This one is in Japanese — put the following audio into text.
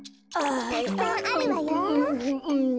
たくさんあるわよ。